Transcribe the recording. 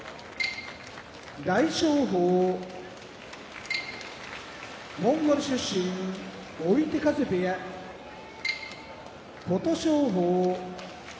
大翔鵬モンゴル出身追手風部屋琴勝峰